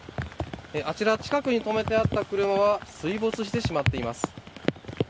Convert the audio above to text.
あちら、近くに止めてあった車は水没してしまっています。